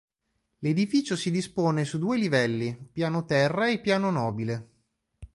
L'edificio si dispone su due livelli, piano terra e piano nobile.